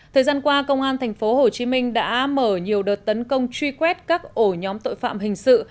thời gian qua công an tp hcm đã mở nhiều đợt tấn công truy quét các ổ nhóm tội phạm hình sự